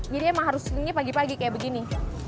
jadi emang harus ringnya pagi pagi kayak begini